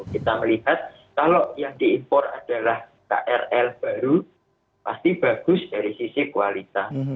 kita melihat kalau yang diimpor adalah krl baru pasti bagus dari sisi kualitas